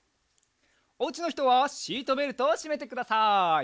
おうちのひとはシートベルトをしめてください。